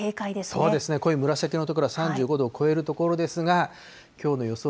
そうですね、濃い紫色の所は３５度を超える所ですが、きょうの予想